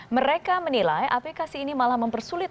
mereka menilai aplikasi ini malah mempersulit